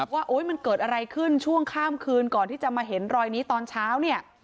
ว่ามันเกิดอะไรขึ้นช่วงข้ามคืนก่อนที่จะมาเห็นรอยนี้ตอนเช้าเนี่ย